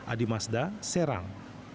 adi mazda serang